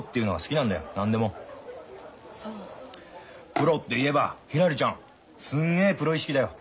プロって言えばひらりちゃんすんげえプロ意識だよ。